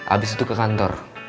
abis itu ke kantor